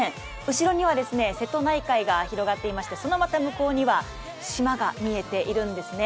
後ろには瀬戸内海が広がっていましてそのまた向こうには島が見えているんですね。